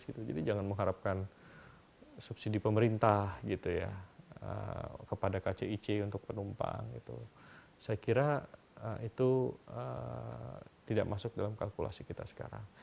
kita juga pakai segala maksimal dengan dekatan sehingga sama sekali